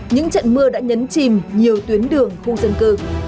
những trận mưa đã nhấn chìm nhiều tuyến đường khu dân cư